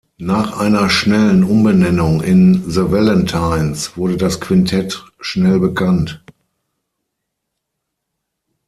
Nach einer schnellen Umbenennung in "The Valentines" wurde das Quintett schnell bekannt.